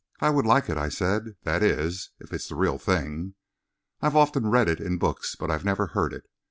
"I would like it," I said; "that is, if it's the real thing. I've often read it in books, but I never heard it.